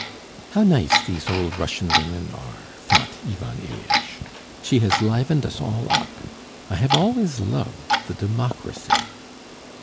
"How nice these old Russian women are," thought Ivan Ilyitch. "She has livened us all up. I have always loved the democracy...."